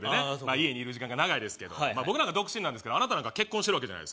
家にいる時間が長いですけど僕なんか独身なんですけどあなたなんか結婚してるわけじゃない？